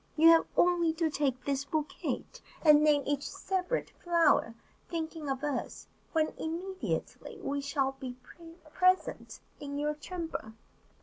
You have only to take this bouquet, and name each separate flower, thinking of us, when immediately we shall be present in your chamber."